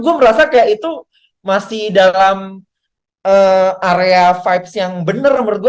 gue merasa kayak itu masih dalam area vibes yang bener menurut gue